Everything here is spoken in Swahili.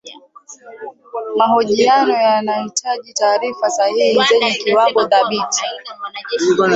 mahojiano yanahitaji taarifa sahihi zenye kiwango thabiti